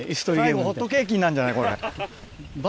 最後ホットケーキになんじゃない？